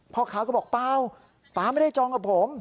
พ่อค้าก็บอกเปล่าป๊าไม่ได้จองกับผม